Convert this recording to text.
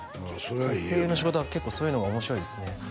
声優の仕事は結構そういうのが面白いですね